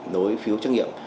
đối phiếu trắc nghiệm